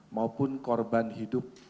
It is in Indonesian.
maupun korban hidup